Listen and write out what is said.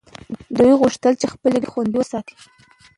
دوی غوښتل چې خپلې ګټې خوندي وساتي